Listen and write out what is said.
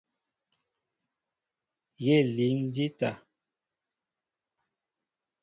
Yé líŋ jíta.